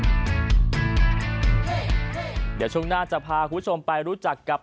เดี๋ยวช่วงหน้าจะพาคุณผู้ชมไปรู้จักกับ